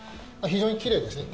非常にきれいですね。